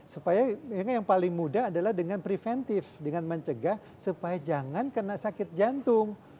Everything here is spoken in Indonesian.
supaya yang paling mudah adalah dengan preventif dengan mencegah supaya jangan kena sakit jantung